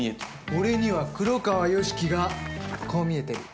俺には黒川良樹がこう見えてる。